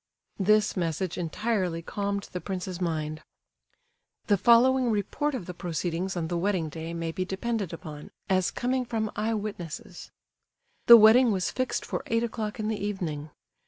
This message entirely calmed the prince's mind. The following report of the proceedings on the wedding day may be depended upon, as coming from eye witnesses. The wedding was fixed for eight o'clock in the evening.